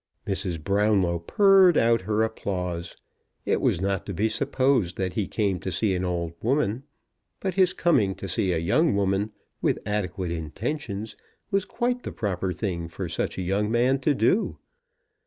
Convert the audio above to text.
Mrs. Brownlow purred out her applause. It was not to be supposed that he came to see an old woman; but his coming to see a young woman, with adequate intentions, was quite the proper thing for such a young man to do!